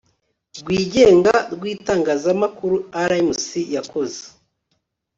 rwigenga rw itangazamakuru rmc yakoze